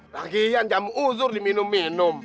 lagian jam uzur diminum minum